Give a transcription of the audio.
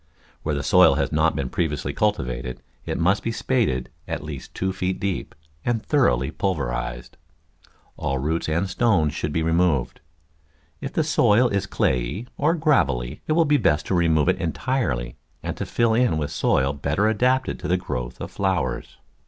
Where the soil has not been previously cultivated it must be spaded at least two feet deep, and thoroughly pulverised. All roots and stones should be removed. If the soil is clayey or gravelly it will be best to remove it entirely and to fill in with soil better adapted to the growth of flowers.